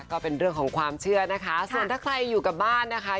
ก็เป็นเรื่องของความเชื่อนะคะส่วนถ้าใครอยู่กับบ้านนะคะ